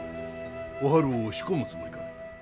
おはるを仕込むつもりかね。